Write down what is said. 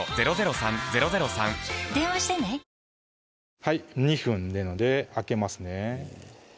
はいはい２分なので開けますね